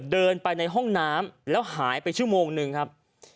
เดินไปในห้องน้ำแล้วหายไปชั่วโมงนึงครับ